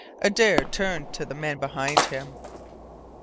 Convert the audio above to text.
Adare turned to the men behind him.